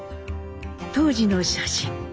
当時の写真。